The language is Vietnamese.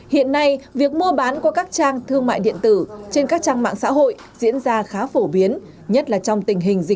hiện nay việc mua bán qua các trang thương mại điện tử trên các trang mạng xã hội diễn ra rất nhanh